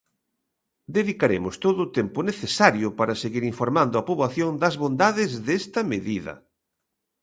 Dedicaremos todo o tempo necesario para seguir informando a poboación das bondades desta medida.